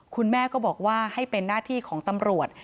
คุณแม่ก็บอกว่าให้เป็นหน้าที่ของตำรวจ